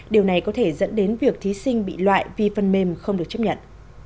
điều này có thể dẫn đến việc thí sinh bị loại vì phần mềm không được chấp nhận